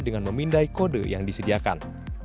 dengan memindai kode yang disediakan